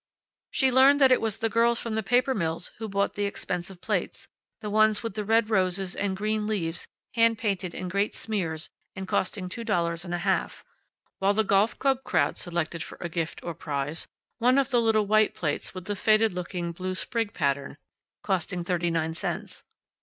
She learned that it was the girls from the paper mills who bought the expensive plates the ones with the red roses and green leaves hand painted in great smears and costing two dollars and a half, while the golf club crowd selected for a gift or prize one of the little white plates with the faded looking blue sprig pattern, costing thirty nine cents.